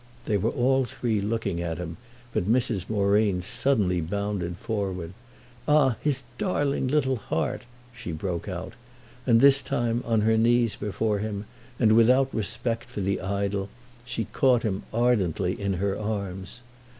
They were all three looking at him, but Mrs. Moreen suddenly bounded forward. "Ah his darling little heart!" she broke out; and this time, on her knees before him and without respect for the idol, she caught him ardently in her arms.